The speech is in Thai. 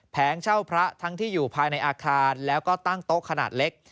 เช่าพระทั้งที่อยู่ภายในอาคารแล้วก็ตั้งโต๊ะขนาดเล็ก